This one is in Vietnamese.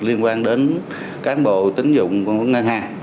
liên quan đến cán bộ tín dụng của một ngân hàng